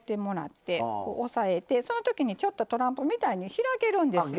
押さえてその時にちょっとトランプみたいに開けるんですよ。